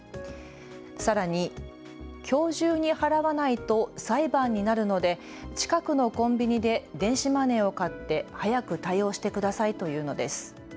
さらに、きょう中に払わないと裁判になるので近くのコンビニで電子マネーを買って早く対応してくださいと言うのです。